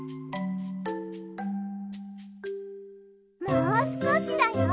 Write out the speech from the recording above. もうすこしだよ。